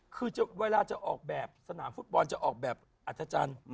คือเวลาจะออกแบบสนามฟุตบอลจะออกแบบอัธจันทร์